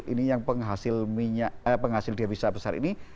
ini yang penghasil dia bisa besar ini